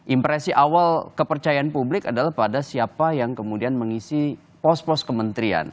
impresi awal kepercayaan publik adalah pada siapa yang kemudian mengisi pos pos kementerian